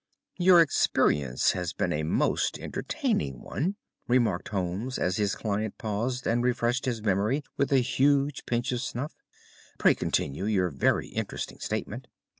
"Your experience has been a most entertaining one," remarked Holmes as his client paused and refreshed his memory with a huge pinch of snuff. "Pray continue your very interesting statement."